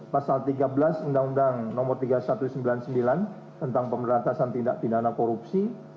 pasal tiga belas undang undang nomor tiga ribu satu ratus sembilan puluh sembilan tentang pemberantasan tindak pidana korupsi